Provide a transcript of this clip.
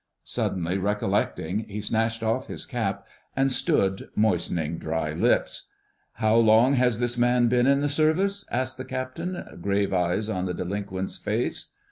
Suddenly recollecting, he snatched off his cap and stood, moistening dry lips. "How long has this man been in the Service?" asked the Captain, grave eyes on the delinquent's face.